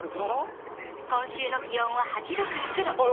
今週の気温は８度から９度。